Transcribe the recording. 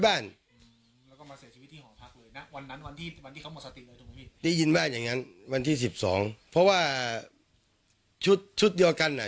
ได้ยินแบบอย่างงั้นวันที่๑๒เพราะว่าชุดเดียวกันนะ